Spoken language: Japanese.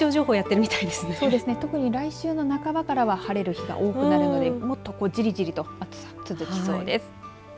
特に来週の半ばからは晴れる日が多くなるのでもっとじりじりと暑さ、続きそうです。